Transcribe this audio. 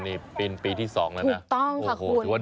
ปีนปีที่๒แล้วนะ